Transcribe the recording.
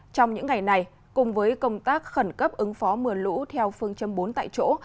trong những ngày này cùng với công tác khẩn cấp ứng phó mưa lũ theo phương châm bốn tại chỗ